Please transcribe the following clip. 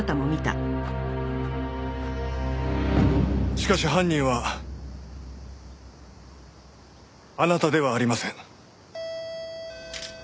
しかし犯人はあなたではありません。